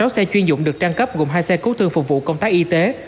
sáu xe chuyên dụng được trang cấp gồm hai xe cứu thương phục vụ công tác y tế